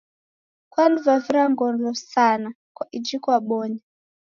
Kwanivavira ngolo sana kwa iji kwabonya.